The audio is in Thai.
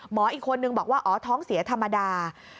อีกคนนึงบอกว่าอ๋อท้องเสียธรรมดา